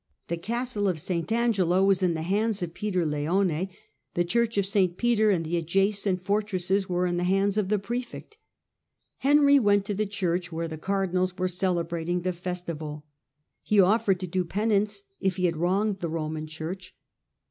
The castle of St. Angelo was in the Storch 25°"^ hands of Peter Leone ; the church of St. Peter 1117 and the adjacent fortresses were in the hands of the prefect. Henry went to the church, where the cardinals were celebrating the festival. He offered to do penance, if he had wronged the Roman Church.